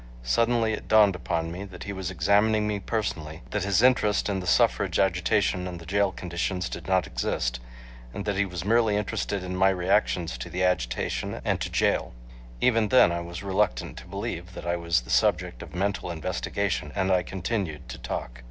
Suddenly it dawned upon me that he was examining me personally; that his interest in the suffrage agitation and the jail conditions did not exist, and that he was merely interested in my reactions to the agitation and to jail. Even then I was reluctant to believe that I was the subject of mental investigation and I continued to talk.